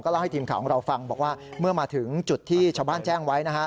เล่าให้ทีมข่าวของเราฟังบอกว่าเมื่อมาถึงจุดที่ชาวบ้านแจ้งไว้นะฮะ